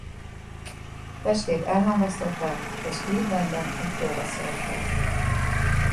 Testét elhamvasztották és Clevelandban egy tóba szórták.